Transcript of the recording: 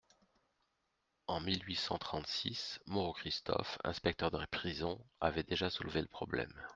En mille huit cent trente-six, Moreau-Christophe, inspecteur des prisons, avait déjà soulevé le problème.